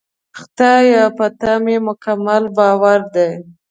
خدایه! په تا مې مکمل باور دی.